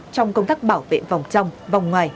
trong công tác bảo vệ vòng trong vòng ngoài